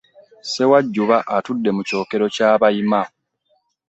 Ssewajjuba atudde mu kyokero eky'abayima.